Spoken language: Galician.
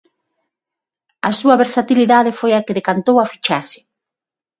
A súa versatilidade foi a que decantou a fichaxe.